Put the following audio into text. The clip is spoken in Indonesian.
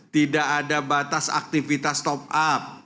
tidak ada batas aktivitas top up